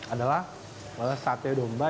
adalah sate domba